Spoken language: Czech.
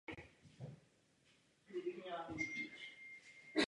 Opatrovníci by se tedy měli stát prioritou.